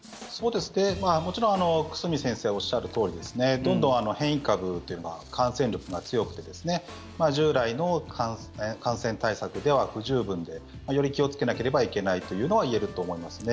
もちろん久住先生がおっしゃるとおりどんどん変異株というのは感染力が強くて従来の感染対策では不十分でより気をつけなければいけないというのは言えると思いますね。